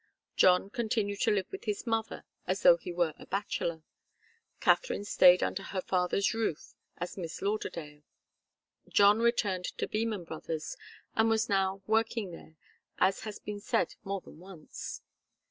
John continued to live with his mother as though he were a bachelor; Katharine stayed under her father's roof as Miss Lauderdale. John returned to Beman Brothers, and was now working there, as has been said more than once.